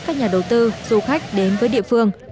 các nhà đầu tư du khách đến với địa phương